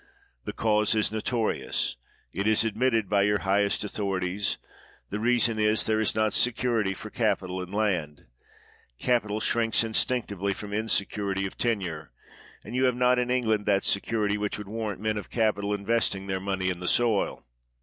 The cause is notorious — it is ad mitted by your highest authorities; the reason is, there is not security for capital in land. Cap ital shrinks instinctively from insecurity of ten ure ; and you have not in England that security which would warrant men of capital investing their money in the soil.